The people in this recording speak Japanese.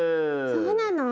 そうなの？